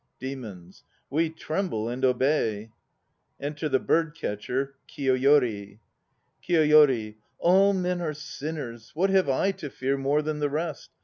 DEMONS. We tremble and obey. (Enter the bird catcher, KIYOYORI). KIYOYORI. "All men are sinners." What have I to fear More than the rest?